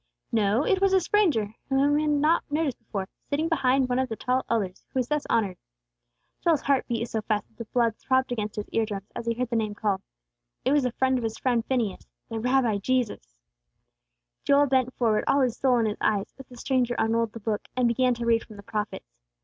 No, it was a stranger whom he had not noticed before, sitting behind one of the tall elders, who was thus honored. Joel's heart beat so fast that the blood throbbed against his ear drums, as he heard the name called. It was the friend of his friend Phineas, the Rabbi Jesus. Joel bent forward, all his soul in his eyes, as the stranger unrolled the book, and began to read from the Prophets.